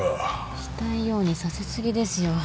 したいようにさせ過ぎですよ。